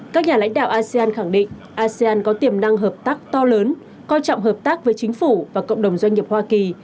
các nhà lãnh đạo asean khẳng định asean có tiềm năng hợp tác to lớn coi trọng hợp tác với chính phủ và cộng đồng doanh nghiệp hoa kỳ